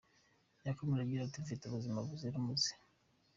Yakomeje agira ati: “Mfite ubuzima buzira umuze.”